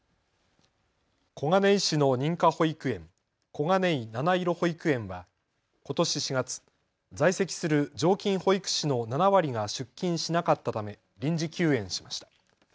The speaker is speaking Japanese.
小金井市の認可保育園、小金井なないろ保育園はことし４月、在籍する常勤保育士の７割が出勤しなかったため臨時休園しました。